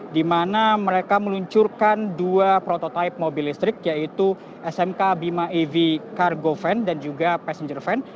dimana mereka menuncurkan dua prototipe mobil listrik yaitu smk bima ev cargo van dan juga passenger van